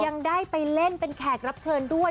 ยังได้ไปเล่นเป็นแขกรับเชิญด้วย